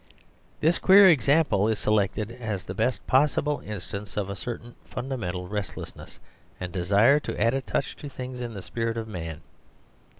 This queer example is selected as the best possible instance of a certain fundamental restlessness and desire to add a touch to things in the spirit of man.